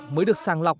mới được sàng lọc